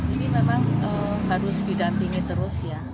ini memang harus didampingi terus ya